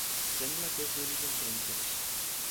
Sembla que és d'origen francès.